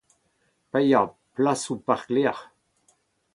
paeañ plasoù parklec’h.